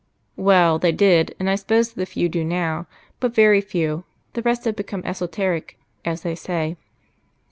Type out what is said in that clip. "Well, they did, and I suppose that a few do now. But very few: the rest have become esoteric, as they say."